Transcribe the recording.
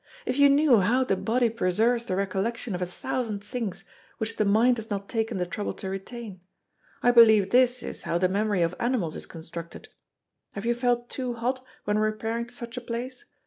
If you knew how the body preserves the recollection of a thousand things which the mind has not taken the trouble to retain! I believe this is how the memory of animals is constructed. Have you felt too hot when repairing to such a place?